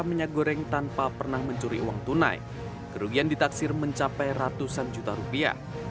minyak goreng tanpa pernah mencuri uang tunai kerugian ditaksir mencapai ratusan juta rupiah